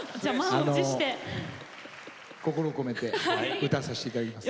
心を込めて歌わさせていただきます。